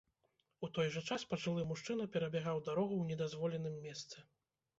У той жа час пажылы мужчына перабягаў дарогу ў недазволеным месцы.